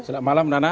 selamat malam nana